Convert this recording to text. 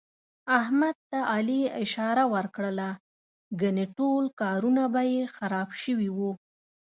احمد ته علي اشاره ور کړله، ګني ټول کارونه به یې خراب شوي وو.